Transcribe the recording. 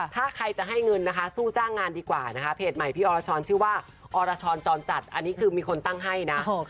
ถ้าใครจะให้เงินนะคะสู้จ้างงานดีกว่านะคะเพจใหม่พี่อรชรชื่อว่าอรชรจรจัดอันนี้คือมีคนตั้งให้นะ